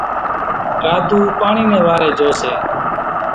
راڌُو پاڻِي نيَ واريَ جھو سي۔